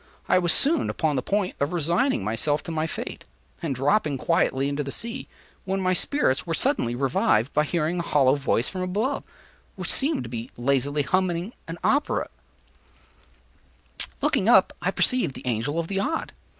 I was soon upon the point of resigning myself to my fate, and dropping quietly into the sea, when my spirits were suddenly revived by hearing a hollow voice from above, which seemed to be lazily humming an opera air. Looking up, I perceived the Angel of the Odd.